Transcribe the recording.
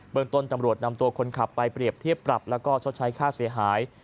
เมืองต้นตำรวจนำตัวคนขับไปเปรียบเทียบปรับแล้วก็ชดใช้ค่าเสียหาย